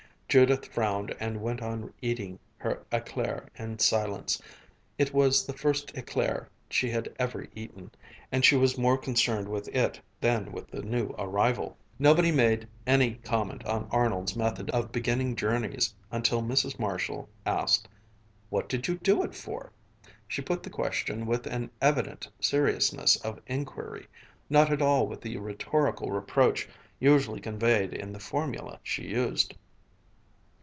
Judith frowned and went on eating her éclair in silence. It was the first éclair she had ever eaten, and she was more concerned with it than with the new arrival. Nobody made any comment on Arnold's method of beginning journeys until Mrs. Marshall asked, "What did you do it for?" She put the question with an evident seriousness of inquiry, not at all with the rhetorical reproach usually conveyed in the formula she used.